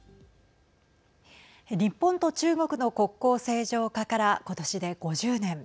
日本と中国の国交正常化から今年で５０年。